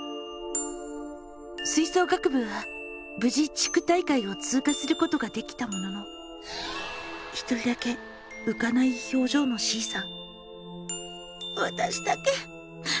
吹奏楽部は無事地区大会を通過することができたものの１人だけうかない表情のＣさん。